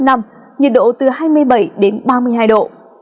nhiệt độ từ hai mươi bảy đến ba mươi hai độ